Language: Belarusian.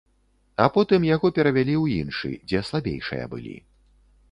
А потым яго перавялі ў іншы, дзе слабейшыя былі.